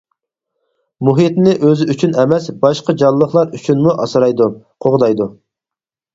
مۇھىتنى ئۆزى ئۈچۈن ئەمەس، باشقا جانلىقلار ئۈچۈنمۇ ئاسرايدۇ، قوغدايدۇ.